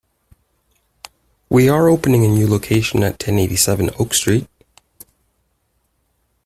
We are opening the a new location at ten eighty-seven Oak Street.